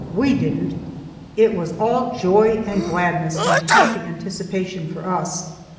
We didn't. It was all joy and gladness and happy anticipation for us.